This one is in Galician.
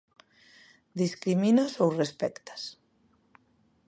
Discriminas ou respectas?